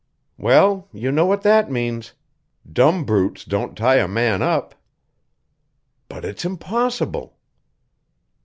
"Well, you know what that means. Dumb brutes don't tie a man up." "But it's impossible."